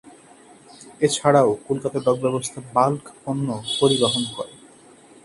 এছাড়াও কলকাতা ডক ব্যবস্থা বাল্ক পণ্য পরিবহন করে।